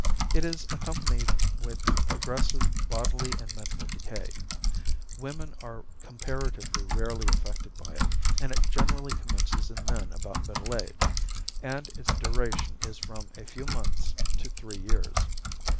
It is accompanied with progressive bodily and mental decay. Women are comparatively rarely affected by it, and it generally commences in men about middle age, and its duration is from a few months to three years.